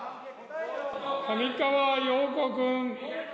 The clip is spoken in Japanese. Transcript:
上川陽子君。